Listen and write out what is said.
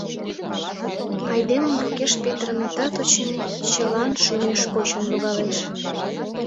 Айдемым рокеш петырыме тат, очыни, чылан шӱмеш кочын логалеш.